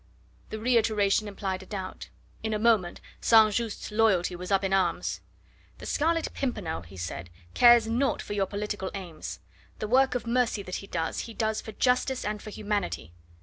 The reiteration implied a doubt. In a moment St. Just's loyalty was up in arms. "The Scarlet Pimpernel," he said, "cares naught for your political aims. The work of mercy that he does, he does for justice and for humanity."